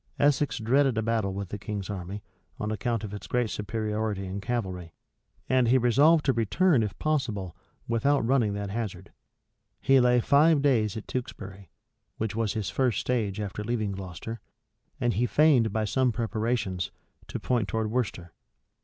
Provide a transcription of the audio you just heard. Essex dreaded a battle with the king's army, on account of its great superiority in cavalry; and he resolved to return, if possible, without running that hazard. He lay five days at Tewkesbury, which was his first stage after leaving Gloucester; and he feigned, by some preparations, to point towards Worcester.